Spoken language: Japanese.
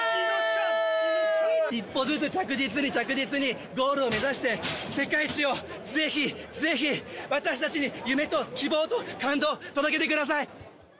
一歩ずつ着実に着実にゴールを目指して世界一をぜひ、ぜひ、私たちに夢と希望と感動を届けてください！